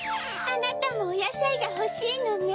あなたもおやさいがほしいのね！